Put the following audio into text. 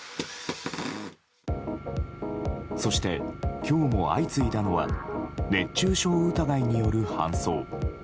そして、今日も相次いだのが熱中症疑いによる搬送。